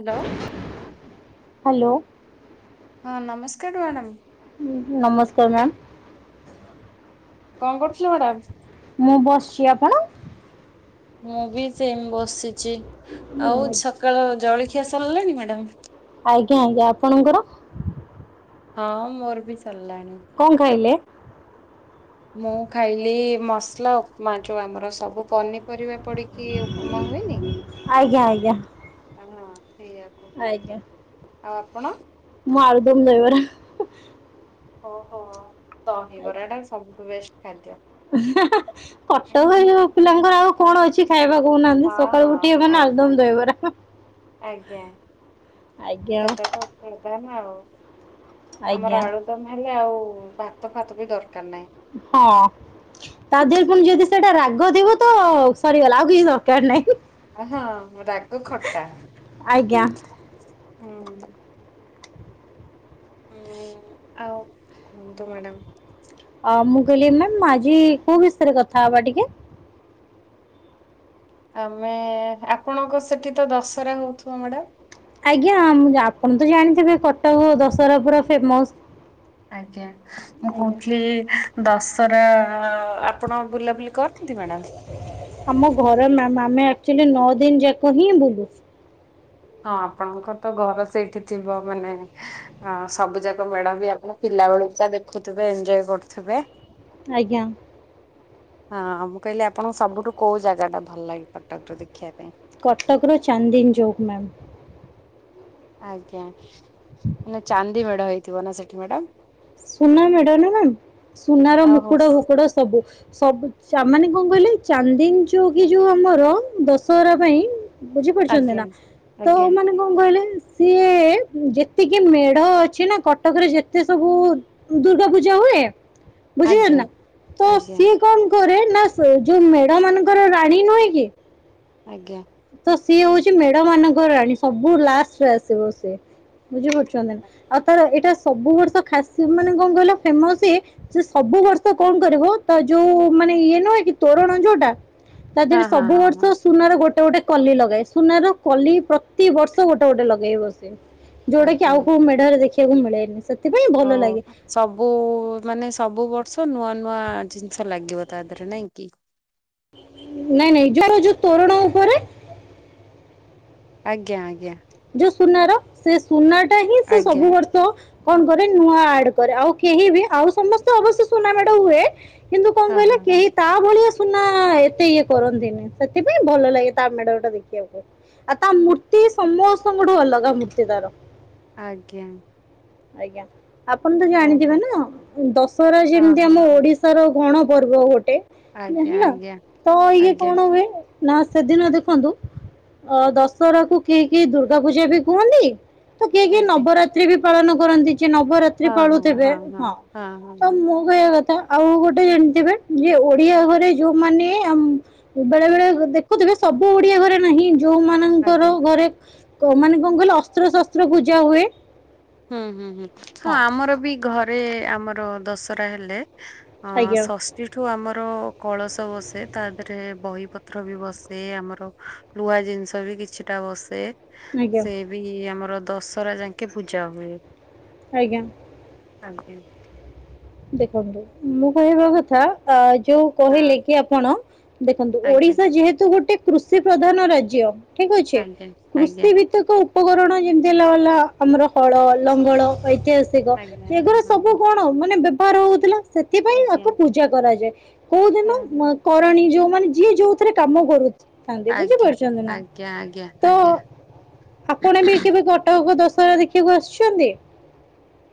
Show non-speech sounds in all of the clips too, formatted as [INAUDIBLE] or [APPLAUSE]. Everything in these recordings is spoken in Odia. ହାଲୋ। ହାଲୋ। ହଁ ନମସ୍କାର ମାଡ଼ମ୍। ନମସ୍କାର ମେମ୍। କଣ କରୁଥିଲେ ମେଡେମ୍? ମୁଁ ବସିଛି, ଆପଣ? ମୁଁ ବି ସେମ୍ ବସିଛି, ଆଉ ସକାଳ ଜଳଖିଆ ସରିଲାଣି ମେଡାମ୍? ଆଜ୍ଞା ଆଜ୍ଞା ଆପଣଙ୍କର? ହଁ ମୋର ବି ସରଲାଣି। କଣ ଖାଇଲେ? ମୁଁ ଖାଇଲି ମସଲା ଉପମା୍, ଯୋ ଆମର ସବୁ ପନିପରିବା ପଡିକି ଉପମା ହୁଏନି। ଆଜ୍ଞା ଆଜ୍ଞା। ହଁ ସେଇଆ। ଆଜ୍ଞା, ମୁଁ ଆଳୁଦମ୍ ଦହିବରା। ଓହୋ ଦହିବରାଟା ସବୁଠୁ ବେଷ୍ଟ ଖାଦ୍ୟ। କଟକ [UNINTELLIGIBLE] ପିଲାଙ୍କର ଆଉ କଣ ଅଛି ଖାଇବା କହୁନାହାନ୍ତି, ହଁ ସକାଳୁ ଉଠିଏ ହଁ ମାନେ ଆଜ୍ଞା ଆଳୁଦମ୍ ଦହିବରା। ଆଜ୍ଞା ଆଜ୍ଞା। [UNINTELLIGIBLE] ଧା ନା ଆଉ, ଆଜ୍ଞା ଆମର ଆଳୁ ଦମ୍ ହେଲେ ଆଉ ଭାତ ଫାତ ବି ଦରକାର ନାଇଁ। ହଁ। ତା ଦେହରେ ପୁଣି ଯଦି ସେଇଟା ରାଗ ଥିବ ତ ସରିଗଲା, ଆଉ କିଛି ଦରକାର ନାହିଁ। ଓ ହଁ ରାଗ ଖଟା, ଆଜ୍ଞା [UNINTELLIGIBLE] ହୁଁ। ହୁଁ ଆଉ କୁହନ୍ତୁ ମେଡ଼ାମ୍। ଅ ମୁଁ କହିଲି ମେମ୍ ଆଜି କୋଉ ବିଷୟରେ କଥା ହବା ଟିକେ। ଆମେ ଆପଣଙ୍କ ସେଠି ତ ଦଶରା ହଉଥିବ ମେଡାମ୍? ଆଜ୍ଞା ଆମ୍ ଆପଣ ତ ଜାଣିଥିବେ କଟକ ଦଶହରା ପୁରା ଫେମସ୍। ଆଜ୍ଞା। ମୁଁ ଆଜ୍ଞା କହୁଥିଲି ଦଶରା ଆପଣ ବୁଲାବୁଲି କରନ୍ତି ମେଡ଼ାମ୍? ଆମ ଘରେ ମେମ୍, ଆମେ ଆକ୍ଚୁଆଲି ନଅ ଦିନ୍ ଯାକ ହିଁ ବୁଲୁ। ହଁ ଆପଣଙ୍କ ତ ଘର ସେଇଠି ଥିବ ମାନେ ଅ ସବୁ ଯାକ ମେଢ଼ ବି ଆପଣ ପିଲା ବେଳୁ ତ ଦେଖୁଥିବେ ଏନ୍ଜୟ କରୁଥିବେ। ଆଜ୍ଞା। ହଁ ମୁଁ କହିଲି ଆପଣଙ୍କୁ ସବୁଠୁ କୋଉ ଜାଗା ଟା ଭଲ ଲାଗେ କଟକର ଦେଖିଆ ପାଇଁ? କଟକର ଚାନ୍ଦିନ୍ ଚୌକ୍ ମେମ୍। ଆଜ୍ଞା ମାନେ ଚାନ୍ଦି ମେଢ ହେଇଥିବ ନା ସେଠି ମେଡାମ୍ ସୁନା ମେଢ଼ ନା ମେମ୍ ସୁନାର ଆଉ ହଉ ମୁକୁଟ ଫୁକୁଟ ସବୁ ସବୁ [UNINTELLIGIBLE] ମାନେ କନ୍ କହିଲେ ଚାନ୍ଦିନ୍ ଆଜ୍ଞା। ଚୌକି ଯୋଉ ଆମର ଦଶହରା ପାଇଁ ବୁଝିପାରୁଚନ୍ତି ଆଜ୍ଞା ନା ତ ଆଜ୍ଞା ମାନେ କନ୍ କହିଲେ ସିଏ ଯେତିକି ମେଢ଼ ଅଛି ନା କଟକରେ ଯେତେ ସବୁ ଦୁର୍ଗା ପୂଜା ହୁଏ ବୁଝିଲେ ଆଜ୍ଞା ନା ତ ଆଜ୍ଞା ସିଏ କନ୍ କରେ ନା ସେ ଯୋ ମେଢ଼ ମାନଙ୍କର ରାଣୀ ନୁହେଁ କି ଆଜ୍ଞା। ତ ସିଏ ହଉଚି ମେଢ ମାନଙ୍କର ରାଣୀ ସବୁ ଲାଷ୍ଟରେ ଆସିବ ସି ବୁଝିପାର୍ ଚନ୍ତିନା ଆଉ ତ ଏଇଟା ସବୁ ବର୍ଷ ଖାସି ମାନେ କନ୍ କହିଲ ଫେମସ୍ ଇଏ ସେ ସବୁ ବର୍ଷ କନ୍ କରିବ ତା ଯୋ ମାନେ ଇଏ ନୁହେଁ କି ତୋରଣ ଯୋଉଟା ତା ହଁ ଦେହରେ ହଁ ସବୁ ହଁ ବର୍ଷ ହଁ ସୁନାର ଗୋ ଗଟେ ଗୋଟେ କଲି ଲଗାଏ ସୁନାର କଲି ପ୍ରତି ବର୍ଷ ଗୋଟେ ଗୋଟେ ଲଗେଇ ବ ଯୋଉଟା କି ଆଜ୍ଞା ଆଉ କଉ ମେଢରେ ଦେଖିବାକୁ ମିଳେନି ସେଥିପାଇଁ ଭଲ ହଉ ଲାଗେ ସବୁ ମାନେ ସବୁ ବର୍ଷ ନୂଆ ନୂଆ ଜିନିଷ ଲାଗିବ ତା ଦେହରେ ନାଇଁ କି। ନାଇଁ ନାଇଁ ଯଆର ଯୋଉ ତୋରଣ ଉପରେ ଆଜ୍ଞା ଆଜ୍ଞା। ଯୋଉ ସୁନାର ସେ ସୁନା ଟା ହିଁ ସେ ଆଜ୍ଞା ସବୁ ବର୍ଷ ତ କଣ କରେ ନୂଆ ଆଡ କରେ ଆଉ କେହି ବି ଆଉ ସମସ୍ତେ ଅବଶ୍ୟ ସୁନା ମେଡ ହୁଏ। କିନ୍ତୁ ଆଜ୍ଞା କଅଁ ହଁ କହିଲେ ହଁ ହଁ କେହି ତା ଭଳିଆ ସୁନା ଏତେ ଇଏ କରନ୍ତିନି ସେଥିପାଇଁ ଭଲ ଲାଗେ ତା ମେଡ ଗଟା ଦେଖିବାକୁ। ଆଉ ତା ମୂର୍ତ୍ତି ସମସ୍ତଙ୍କଠୁ ଅଲଗା ମୂର୍ତ୍ତି ତାର। ଆଜ୍ଞା। ଆଜ୍ଞା ଆପଣ ତ ଜାଣିଥିବେ ଓହୋ। ନା ଦଶହରା ହଁ ଯେମିତି ହଁ ଆମ ଓଡିଶା ହଁ ଓଡ଼ିଶାର ଗଣ ପର୍ବ ଗୋଟେ ଆଜ୍ଞା ହେଲା ଆଜ୍ଞା ତ ଇଏ ଆଜ୍ଞା କଣ ହୁଏ ନା ସେଦିନ ଦେଖନ୍ତୁ ଅ ଦଶହରା କୁ କିଏ କିଏ ଦୁର୍ଗା ପୂଜା ବି କୁହନ୍ତି। ତ କିଏ କିଏ ଆଜ୍ଞା ନବରାତ୍ରି ବି ପାଳନ କରନ୍ତି ଯେ ନବରା ହଁ ହଁ ହଁ ହଁ ହଁ ହଁ। କଈଆ କଥା ଆଉ ଗୋଟେ ଜାଣିଥିବେ ଯେ ଓଡିଆ ଘରେ ଯୋଉମାନେ ଆମ୍ ବେଳେ ବେଳେ ଦେଖୁଥିବେ ସବୁ ଓଡିଆ ଘରେ ନାହିଁ ଯୋଉମାନାନଙ୍କର ଆଜ୍ଞା ଘରେ ମାନେ କଅଁ କହିଲ ଅସ୍ତ୍ରଶସ୍ତ୍ର ପୂଜା ହୁଏ ହୁଁ ହୁଁ ହୁଁ ହଁ ଆମର ବି ଘରେ ଆମର ଦଶରା ହେଲେ ହଁ ଆଜ୍ଞା ଷସ୍ ସେଠୁ ଆମର କଳସ ବସେ ତା ଦେହରେ ବହି ପତ୍ର ବି ବସେ ଆମର ନ୍ୱଆ ଜିନିଷ ବି କିଛିଟା ବସେ ଆଜ୍ଞା ସେ ବି ଆମର ଦଶହରା ଯାକେ ପୂଜା ହୁଏ। ଆଜ୍ଞା। ଆଗେଇ। ଦେଖନ୍ତୁ ମୁଁ କହିବା କଥା ଅ ଯୋଉ କହିଲେ ହଁ କି ଆପଣ ଦେଖନ୍ତୁ ଆଜ୍ଞା ଓଡିଶା ଯେହେତୁ ଗୋଟେ କୃଷି ପ୍ରଧାନ ରାଜ୍ୟ ଠିକ ଅଛି ଆଜ୍ଞା ଆଜ୍ଞା କୃଷି ଭିତ୍ ପ୍ରତ୍ୟେକ ଉପକରଣ ଯେମିତି ହେଲାାଗଲା ଆମର ହଳ ଲଙ୍ଗଳ ଐତିହାସ ଦେଗ ଆଜ୍ଞା ହଁ ଏଗୁରା ହଁ ସବୁ ହଁ। କଣ ମାନେ ବ୍ୟବହାର ହଉଥିଲା। ସେଥିପାଇଁ ଆଜ୍ଞା ଆକୁ ପୂଜା କରାଯାଏ କୋଉ ଦିନ ହଁ ହଁ ମ କରଣୀ ଯୋଉ ମାନେ ଯିଏ ଯୋଉଥିରେ କାମ କରେ କନ୍ଦିବୁ ଯେ ଆଜ୍ଞା ପଇସା ଦେନା ଆଜ୍ଞା ଆଜ୍ଞା ତ ଆଜ୍ଞା। ଆପଣ ବି କେବେ କ କଟକ କୁ ଦଶହରା ଦେଖିବାକୁ ଆସୁଛନ୍ତି?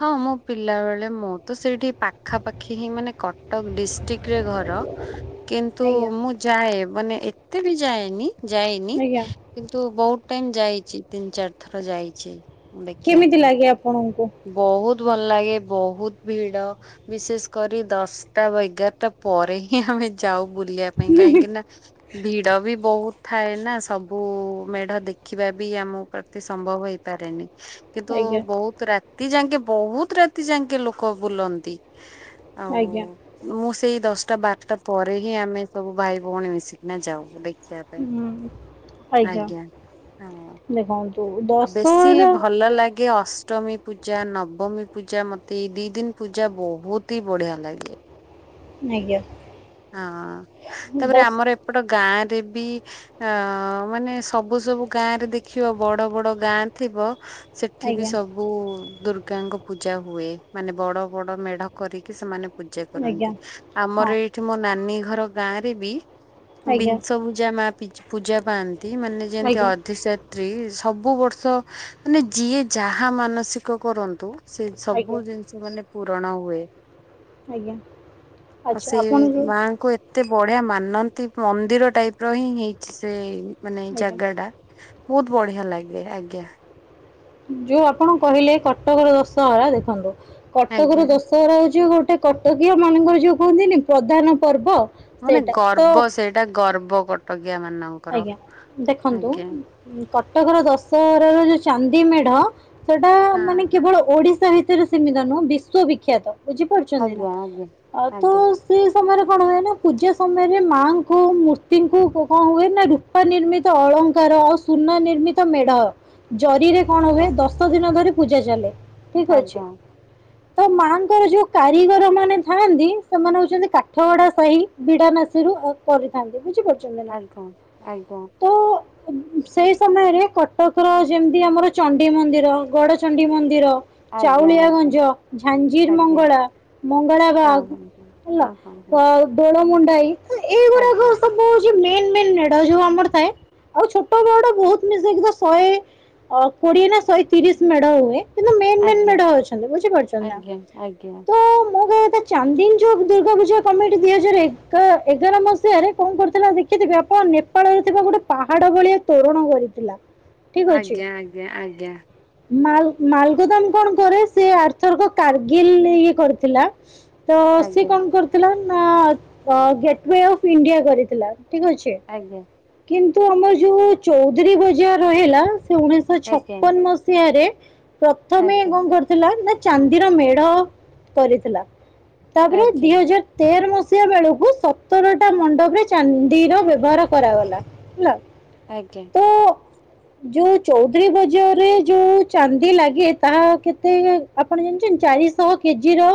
ହଁ ମୋ ପିଲା ବେଳେ ମୁଁ ତ ସେଇଠି ପାଖାପାଖି ହିଁ ମାନେ କଟକ ଡିଷ୍ଟ୍ରିକ୍ଟ ରେ ଘର କିନ୍ତୁ ଆଜ୍ଞା ମୁଁ ଯାଏ ମାନେ ଏତେ ବି ଯାଏନି ଯାଏନି ଆଜ୍ଞା କିନ୍ତୁ ବହୁତ ଟାଇମ ଯାଇଛି ତିନି ଚାରି ଥର ଯାଇଛି ମୁଁ ଦେଖିବା କେମିତି ପାଇଁ। ଲାଗେ ଆପଣଙ୍କୁ? ବହୁତ ଭଲ ଲାଗେ ବହୁତ ଭିଡ। ବିଶେଷ କରି ଦଶଟା ବା ଏଗାରଟା ପରେ ହିଁ ଆମେ ଯାଉ। ବୁଲିବା ପାଇଁ କାହିଁକି ନା ଭିଡ ବି ବହୁତ ଥାଏ ନା ସବୁ ବହୁ ମେଢ ଦେଖିବା ବି ଆମ ପ୍ରତି ସମ୍ଭବ ହେଇପାରେନି। କିନ୍ତୁ ଆଜ୍ଞା ବହୁତ ରାତି ଯାକେ ବହୁତ ରାତି ଯାଙ୍କେ ଲୋକ ବୁଲନ୍ତି। ଆଉ ଆଜ୍ଞା। ମୁଁ ସେଇ ଦଶଟା, ବାରଟା ପରେ ହିଁ ଆମେ ସବୁ ଭାଇ ଭଉଣୀ ମିଶିକିନା ଯାଉ ଦେଖ ଖିବା ପାଇଁ, ହୁଁ ଆଜ୍ଞା ହଁ। ଦେଖନ୍ତୁ, ଦ ଆଉ ବେଶୀ ଭଲ ଲାଗ ଗେ ଅଷ୍ଟମୀ ପୂଜା, ନବମୀ ପୂଜା, ମତେ ଏଇ ଦି ଦିନ ପୂଜା ବହୁତ ହି ବଢିଆ ଲାଗେ। ଆଜ୍ଞା। ହଁ, ତାପରେ ଦଶ ଆମର ଏପଟ ଗାଁ ରେ ବି ଅଁ, ମାନେ ସବୁ ସବୁ ଗାଁ ରେ ଦେଖିବ, ବଡ ବଡ ଗାଁ ଥିବ, ସେ ଠି ବି ଆଜ୍ଞା ସବୁ ଦୁର୍ଗାଙ୍କ ପୂଜା ହୁଏ, ମାନେ ବଡ ବଡ ମେଢ କରିକି ସେମାନେ ପୂଜା ଆଜ୍ଞା କରନ୍ତି, ହଁ ଆମର ଏଇଠି ମୋ ନାନୀ ଘର ଗାଁ ରେ ବି ଆଜ୍ଞା ବିଂଶ ପୂଜା, ମା ପି ପୂଜା ପାଆନ୍ତି, ମାନେ ଯେମିତି ଆଜ୍ଞା ଅଧିଶ [UNINTELLIGIBLE] ସବୁ ବର୍ଷ ମାନେ ଯିଏ ଯାହା ମାନସିକ କରନ୍ତୁ ସେ ଆଜ୍ଞା ସବୁ ଜିନିଷ ମାନେ ପୂରଣ ହୁଏ। ଆଜ୍ଞା, ଆଉ ସେ ଆଛା ଆପଣ ଯୋଉ ମାଙ୍କୁ ଏତେ ବଢିଆ ମାନନ୍ତି, ମନ୍ଦିର ଟାଇପ ର ହିଁ ହେଇଚି ସେ ମାନେ ଆଜ୍ଞା ଜାଗା ଟା, ବହୁତ ବଢିଆ ଲାଗେ, ଆଜ୍ଞା। ଯୋଉ ଆପଣ କହିଲେ କଟକର ଦଶହରା, ଦେଖନ୍ତୁ ଆଜ୍ଞା କଟକର ଦଶ ଦଶହରା ହେଉଛି ଗୋଟେ କଟକୀୟା ମାନଙ୍କର ଯୋଉ କୁହନ୍ତିନି ପ୍ରଧାନ ପର୍ବ ମାନେ ସେଇଟା ତ ଗର୍ବ ସେଇଟା, ଗର୍ବ କଟକିଆ ମାନଙ୍କ ଆଜ୍ଞା, ଦେଖନ୍ତୁ, କଟକର ଦଶହରାର ଯୋଉ ଚାନ୍ଦି ମେଢ ସେଟା ମାନେ କେବଳ ଓଡିଶା ଭିତରେ ସୀମିତ ନୁହଁ, ବିଶ୍ଵବିଖ୍ୟାତ। ବୁଝିପାରୁଚନ୍ତି ନା, ହଁ ଆଉ ତ ଆଜ୍ଞା ସେଇ ସମୟରେ କଣ ହୁଏ ନା, ପୂଜା ସମୟରେ, ମାଙ୍କୁ ମୂର୍ତ୍ତିଙ୍କୁ କଣ ହୁଏ ନ ରୂପା ନିର୍ମିତ ଅଳଙ୍କାର, ଆଉ ସୁନା ନିର୍ମିତ ମେଢ, ଜରିରେ କଣ ହୁଏ ଆଜ୍ଞା ଦଶ ସାତ ଦିନ ଧରି ପୂଜା ଚାଲେ, ଠିକ୍ ଅଛି। ଆଜ୍ଞା ତ ମାଆଙ୍କର ଯୋଉ କାରିଗର ମାନେ ଥାଆନ୍ତି, ସେମାନେ ହଉଛନ୍ତି କାଠଗଡା ସାହି ବିଡାନାସୀରୁ ଆଉ କରିଥାନ୍ତି, ବୁଝିପାରୁଛନ୍ତି ନା? ଆଜ୍ଞା ଆଜ୍ଞା। ତ ସେଇ ସମୟରେ କଟକର ଯେମିତି ଆମର ଚଣ୍ଡୀ ମନ୍ଦିର, ଗଡ଼ଚଣ୍ଡୀ ମନ୍ଦିର ଆଜ୍ଞା ଆଜ୍ଞା ଆଜ୍ଞା ଆଜ୍ଞା ଚାଉଳିଆଗଞ୍ଜ, ଝାଞ୍ଜିର ଆଜ୍ଞା ମଙ୍ଗଳା, ହଁ ମଙ୍ଗଳାବାଗ ହଁ ହଁ ହେଲା ହଁ ହଁ ତ ହଁ ଦୋଳମୁୁଣ୍ଡାଇ, ତ ଏଇଗୁଡାକ ଆଜ୍ଞା ସବୁ ହଉଚି ମେନ ମେନ ମେ ଢ ଯୋଉ ଆମର ଥାଏ, ଆଉ ଛୋଟ ବଡ ବହୁତ ମିଶେଇକି ତ ଶହେ ଅ କୋଡିଏ ନା, ଶହେ ତିରିଶ ମେଢ ହୁଏ। କିନ୍ତୁ ମେନ ମେନ ଆଜ୍ଞା ମେଢ ଅଛନ୍ତି, ବୁଝିପାରୁଛନ୍ତି ନା? ଆଜ୍ଞା ଆଜ୍ଞା। ତ ମୁଁ କହିବା କଥା ଚାନ୍ଦିନୀଚୌକ ଦୁର୍ଗା ପୂଜା କମିଟି ଦୁଇ ହଜାର ଏଗା ଏଗାର ମସିହାରେ କଣ କରିଥିଲା ଦେଖିଥିବେ ଆପଣ ନେ ନେପାଳରେ ଥିବା ଗୋଟେ ପାହାଡ ଭଳିଆ ତୋରଣ କରିଥିଲା। ଠିକ ଅଛି। ଆଜ୍ଞା ଆଜ୍ଞା ଆଜ୍ଞା। ମାଲ ମାଲଗୋଦାମ କଣ କରେ ସେ ଆର ଥରକ କାର୍ଗିଲ ଇଏ କରିଥିଲା। ତ ସିଏ ଆଜ୍ଞା କଣ କରିଥିଲା, ନା ଗେଟ୍ୱେ ଅଫ ଇଣ୍ଡିଆ କରିଥିଲା, ଠିକ୍ ଅଛି। ଆଜ୍ଞା। କିନ୍ତୁ ଆମର ଯୋଉ ଚୌଧୁରୀ ବଜାର ରହିଲା, ସେ ଉଣେଇଶହ ଆଜ୍ଞା ଛପନ ମସିହା ସିହା ରେ ପ୍ରଥମେ ଆଜ୍ଞା କଣ କରି ଥିଲା, ନା ଚାନ୍ଦିର ମେଢ କରିଥିଲା, ତାପରେ ଆଜ୍ଞା ଦି ହଜାର ତେର ମସିହା ବେଳକୁ, ସତରଟା ମଣ୍ଡପରେ ଚାନ୍ଦିର ବ୍ୟବହାର କରାଗଲା, ହେଲା। ଆଜ୍ଞା। ତ ଯୋଉ ଚୌଧୁରୀ ବଜାରରେ ଯୋଉ ଚାନ୍ଦି ଲାଗେ ତାହା କେତେ ଆପଣ ଜଣିଛନ୍ତି ଚାରିଶହ କେଜି ର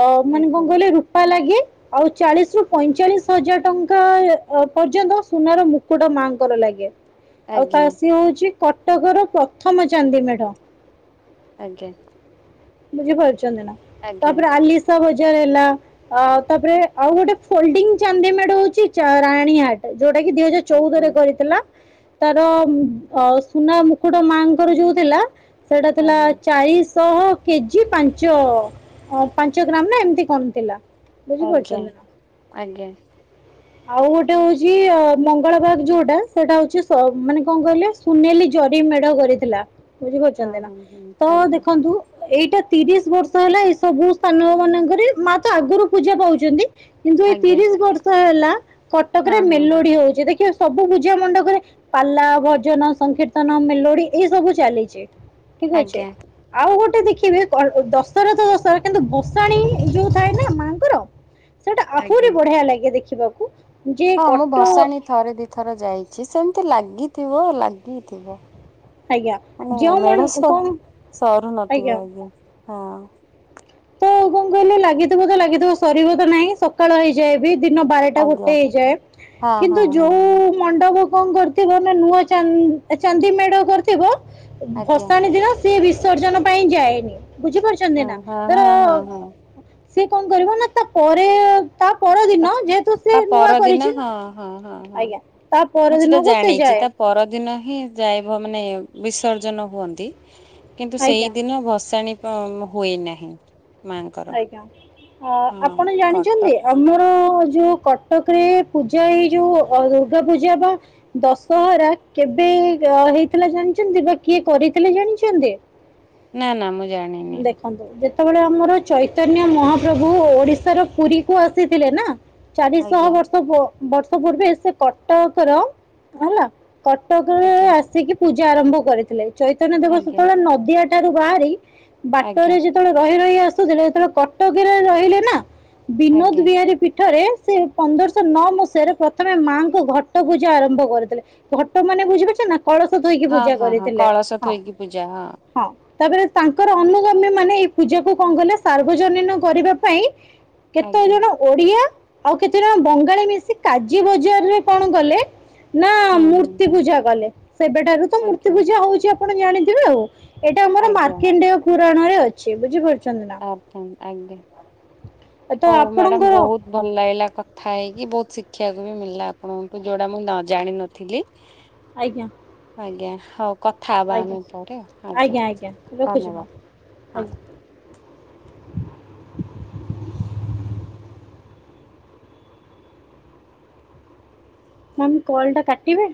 ଅ ମାନେ କଣ କହିଲେ ରୂପା ଲାଗେ। ଆଉ ଚାଳିଶ ରୁ ପଇଁଚାଳିଶ ହଜାର ଟଙ୍କା ପର୍ଯ୍ୟନ୍ତ ସୁନାର ମୁକୁଟା ମାଙ୍କର ଲାଗେ। ଆଉ ଆଜ୍ଞା ଆଜ୍ଞା ଆଜ୍ଞା ତା ସିଏ ହଉଛି କଟକର ପ୍ରଥମ ଚାନ୍ଦୀମେଢ଼। ଆଜ୍ଞା। ବୁଝିପାରୁଛନ୍ତି ନା? ଆଜ୍ଞା ତାପରେ ଆଲି ବଜାର ହେଲା ଆଉ ତାପରେ ଆଉ ଗୋଟେ ଫୋଲଡି ଚାନ୍ଦି ମେଡ ହଉଛି ରାଣୀ ହାଟ। ଯୋଉଟା କି ଦିଇ ହଜାର ଆଜ୍ଞା ଆଜ୍ଞା ଆଜ୍ଞା ଚଉଦ ରେ କରିଥିଲା ତାର ସୁନା ମୁକୁଟ ମାଙ୍କର ଯୋଉ ଥିଲା, ସେଟା ଥିଲା ଆଜ୍ଞା ଚାଳିଶ ଶହ କେଜି ପାଞ୍ଚ ପାଞ୍ଚ ଗ୍ରାମ ନା ଏମିତି କଣ ଥିଲା। ଆଜ୍ଞା ଆଜ୍ଞା ହଁ ବୁଝିପାରୁଛନ୍ତି ନା? ଆଉ ଗୋଟେ ହଉଛି ଅ ମଙ୍ଗଳ ବାଗ ଯୋଉଟା ସେଇଟା ହଉଛି ମାନେ କଣ କହିଲେ, ସୁନେଲି ଜରି ମେଢ କରିଥିଲା ବୁଝିପାରୁଛନ୍ତି ନା? ହଁ ହଁ ତ ଆଜ୍ଞା ଆଜ୍ଞା ହଁ ହଁ ହଁ ଦେଖନ୍ତୁ ଏଇଟା ତିରିଶ ବର୍ଷ ହେଲା ଏଇ ସବୁ ସ୍ଥାନ ମାନଙ୍କରେ ମା ତ ଆଗରୁ ପୂଜା ପାଉଛନ୍ତି। କିନ୍ତୁ ଏଇ ତିରିଶ ବର୍ଷ ହେଲା କଟକରେ ମେଲୋଡି ହଉଛି ଦେଖିବ। ସବୁ ପୂଜା ମଣ୍ଡପରେ ପାଲା, ଭଜନ, ସଂକୀର୍ତନ, ମେଲୋଡି ଏଇ ସବୁ ଚାଲିଛି। ଠିକ ଅଛେ। ଆଜ୍ଞା ଆଉ ଗୋଟେ ଗୋଟେ ଦେଖିବେ ଦଶହରା ତ ଦଶହରା କିନ୍ତୁ ଭସାଣୀ ଯୋଉ ଥାଏ ନା ମାଙ୍କର ସେଇଟା ଆହୁରି ଆଜ୍ଞା। ବଢିଆ ଲାଗେ ଦେଖିବାକୁ। ଯେ ହଁ ମୁଁ କଟ ଭସାଣି ଥରେ ଦିଥର ଯାଇଛି, ସେମିତି ଲାଗିଥିବ, ଲାଗିଥିବ। ଆଜ୍ଞା ଆ ଯେଉଁ ମେଢ ମନ ସ କଣ ସରୁ ନଥିବ। ଆଜ୍ଞା, ହଁ। ତ କଣ କହିଲେ ଲାଗିଥିବ ତ ଲାଗିଥିବ ସରିବ ତ ନାହିଁ ସକାଳ ହେଇଯାଏ ବି, ଦିନ ବାରଟା ଆଜ୍ଞା। ଗୋଟେ ହେଇଯାଏ, ହଁ ହଁ କିନ୍ତୁ ହଁ ଯୋଉ ହଁ ମଣ୍ଡପ କଣ କରିଥିବ ନା ନୂଆ ଚାନ୍ଦିମେଢ କରି ଥିବ, ଆଜ୍ଞା ଭସାଣି ଦିନ ସିଏ ବିସର୍ଜନ ପାଇଁ ଯାଏନି ବୁଝିପାରୁଚ? ହଁ, ହଁ, ହଁ, ହଁ, ହଁ। ସିଏ କଣ କରିବ ନା ତାପରେ ଏ ତା ତା ପରଦିନ ଯେହେତୁ ସେ ତା ନୂଆ ପରଦିନ କରିଛି ହଁ ନା? ହଁ ହଁ ହଁ। ଆଜ୍ଞା। ତା ମୁଁ ସେଟା ପରଦିନକୁ ସେ ଜାଣିଛି ଯାଏ। ତା ପରଦିନ ହିଁ ଯାଇବ ମାନେ ବିସର୍ଜନ ହୁଅନ୍ତି। କିନ୍ତୁ ଆଜ୍ଞା ସେଇଦିନ ଭସାଣି ହୁଏ ନାହିଁ ମାଙ୍କର। ଆଜ୍ଞା ହଁ ଆପଣ କଟକ ଜାଣିଛନ୍ତି ଅ ଆ ଯୋଉ କଟକ ରେ ପୂଜା ଏଇ ଯୋଉ ଦୁର୍ଗା ପୂଜା ବା ଦଶହରା କେବେ ହେଇଥିଲା ଜାଣିଛନ୍ତି ବା କିଏ କରିଥିଲେ ଜାଣିଛନ୍ତି? ନା, ନା ମୁଁ ଜାଣିନି? ହେଲୋ। ଯେତେବେଳେ ଆମର ଚୈତନ୍ୟ ମହାପ୍ରଭୁ ଓଡିଶାର ପୁରୀ କୁ ଆସିଥିଲେ ନା ଚାରିଶହ ଆଜ୍ଞା ବର୍ଷ କୁହ ବର୍ଷ ପୂର୍ବେ ସେ କଟକର ହେଲା କଟକ ଆଜ୍ଞା। ଆସିକି ପୂଜା ଆରମ୍ଭ କରିଥିଲେ। ଚୈତନ୍ୟ ଦେବ ଆଜ୍ଞା। ସେତେବେଳେ ନଦିଆ ଠାରୁ ବାହାରି ବାଟରେ ଆଜ୍ଞା ଯେ ଯେତେବେଳେ ରହି ରହି ଆସୁଥିଲେ ଯେତେବେଳେ କଟକରେ ରହିଲେ ନା ବିନୋଦ ଆଜ୍ଞା ବିହାରୀ ପୀଠରେ ସେ ପନ୍ଦରଶହ ନଅ ମସିହାରେ ପ୍ରଥମେ ମାଙ୍କ ଘଟ ପୂଜା ଆରମ୍ଭ କରିଥିଲେ। ଘଟ ମାନେ ବୁଝିପାରୁଛ ନା? କଳସ ଥୋଇକି ହଁ ପୂଜା ହଁ ହଁ କରିଥିଲେ କଳସ ହଁ, ଥୋଇକି ପୂଜା ହଁ ତାପରେ ତାଙ୍କର ଅନୁଗମ୍ୟ ମାନେ ଏଇ ପୂଜାକୁ କଣ କଲେ ସାର୍ବଜନୀନ କରିବା ପାଇଁ କେତେ ଆଜ୍ଞା। ଜଣ ଓଡିଆ ଆଉ କେତେ ଜଣ ବଙ୍ଗାଳୀ ମିଶି କାଜି ବଜାରରେ କଣ କଲେ? ନା ହୁଁ ହୁଁ ମୂର୍ତ୍ତି ହୁଁ ପୂଜା କଲେ ସେବେଠାରୁ ତ ମୂର୍ତ୍ତି ଆଜ୍ଞା ପୂଜା ହଉଛି ଆପଣ ଜାଣିଥିବେ ଆଉ। ଏଇଟା ଆମର ଆଜ୍ଞା ମାକ୍ରେଣ୍ଡିୟ ପୁରାଣରେ ଅଛି ବୁଝିପାରୁଛ। ଆଜ୍ଞା ଆଜ୍ଞା ତ ହଉ ମ୍ୟାଡ଼ାମ ଆପଣଙ୍କର ବୋହୁତ ଭଲ ଲାଗିଲା କଥା ହେଇକି ବୋହୁତ ଶିଖିବାକୁ ବି ମିଳିଲା ଆପଣଙ୍କଠୁ ଯୋଉଟା ମୁଁ ଜାଣିନଥିଲି। ହ [INAUDIBLE] ଆଜ୍ଞା। ଆଜ୍ଞା ହଉ କଥା ହବା ଆଜ୍ଞା ଆମେ ପରେ ଆଜ୍ଞା ଧନ୍ୟବାଦ ହଁ। ଆଜ୍ଞା ହଁ ମୁଁ କଲ ଟା କାଟିବି।